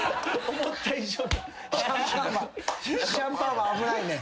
シャンパンは危ないねん。